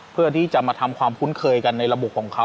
เพื่อที่จะมาทำความคุ้นเคยกันในระบบของเขา